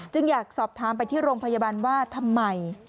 อยากสอบถามไปที่โรงพยาบาลว่าทำไม